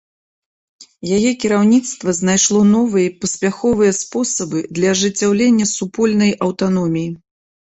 Яе кіраўніцтва знайшло новыя і паспяховыя спосабы для ажыццяўлення супольнай аўтаноміі.